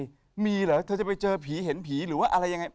มีเหรอเธอจะไปเจอผีเห็นผีหรือว่าอะไรยังไง